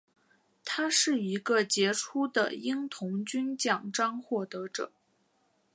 他是一个杰出的鹰童军奖章获得者。